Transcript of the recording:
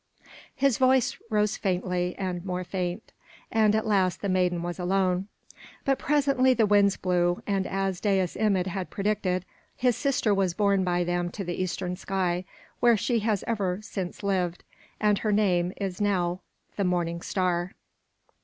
= His voice rose faintly and more faint, and at last the maiden was alone. But presently the winds blew, and, as Dais Imid had predicted, his sister was borne by them to the eastern sky, where she has ever since lived, and her name is now the Morning Star.